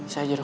saya aja dok